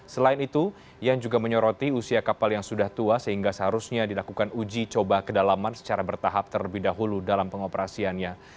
selain itu yang juga menyoroti usia kapal yang sudah tua sehingga seharusnya dilakukan uji coba kedalaman secara bertahap terlebih dahulu dalam pengoperasiannya